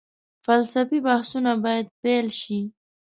فلسفي بحثونه باید پيل شي.